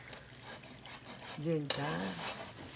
純ちゃん。